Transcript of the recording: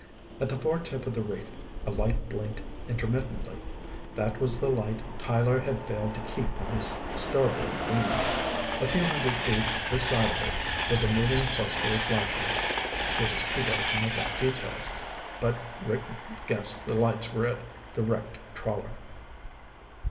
At the far tip of the reef, a light blinked intermittently. That was the light Tyler had failed to keep on his starboard beam. A few hundred feet this side of it was a moving cluster of flashlights. It was too dark to make out details, but Rick guessed the lights were at the wrecked trawler.